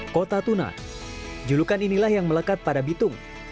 kota tuna julukan inilah yang melekat pada bitung